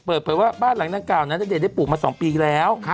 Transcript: เปิดเผยว่าบ้านหลังดังกล่าวนะณเดชนได้ปลูกมา๒ปีแล้ว